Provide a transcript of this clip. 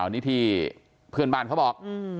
นี่ที่เพื่อนบ้านเขาบอก